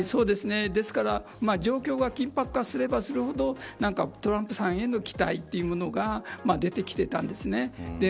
状況が緊迫化すればするほどトランプさんへの期待というものが出てきていたんです。